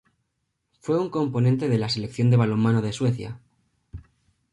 Fue un componente de la Selección de balonmano de Suecia.